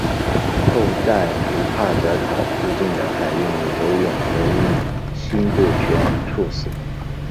后在卢帕德岛附近的海域里游泳时因心不全猝死。